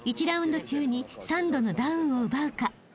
［１ラウンド中に３度のダウンを奪うか